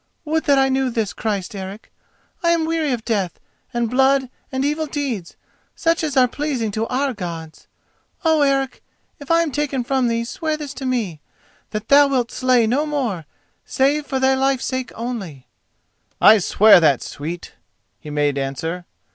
"Would that I knew this Christ, Eric. I am weary of death and blood and evil deeds, such as are pleasing to our Gods. Oh, Eric, if I am taken from thee, swear this to me: that thou wilt slay no more, save for thy life's sake only." "I swear that, sweet," he made answer.